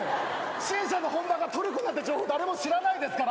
シーシャの本場がトルコだって情報誰も知らないですから。